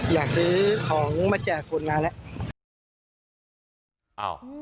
อยากซื้อของมาแจกคนนานแล้ว